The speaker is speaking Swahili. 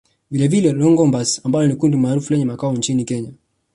Vilevile Longombas ambalo ni kundi maarufu lenye makao nchini Kenya